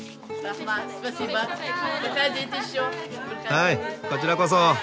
はいこちらこそ。